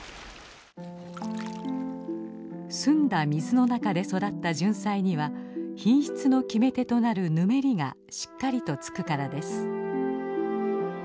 澄んだ水の中で育ったジュンサイには品質の決め手となる「ぬめり」がしっかりとつくからです。